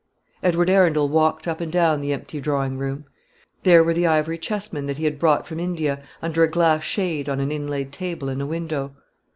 Edward Arundel walked up and down the empty drawing room. There were the ivory chessmen that he had brought from India, under a glass shade on an inlaid table in a window.